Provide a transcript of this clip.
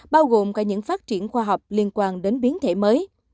bao gồm cả những phát triển khoa học liên quan đến biến thể mới